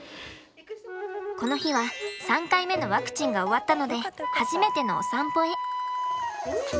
この日は３回目のワクチンが終わったので初めてのお散歩へ。